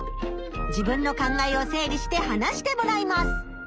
自分の考えを整理して話してもらいます。